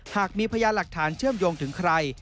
หากมีพยานหลักฐานเชื่อมโยงถึงใคร